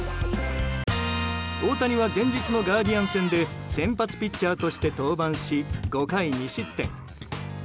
大谷は前日のガーディアンズ戦で先発ピッチャーとして登板し５回２失点。